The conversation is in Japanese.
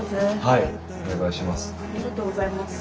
はいお願いします。